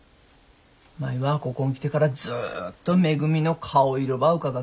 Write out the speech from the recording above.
舞はここん来てからずっとめぐみの顔色ばうかがっとる。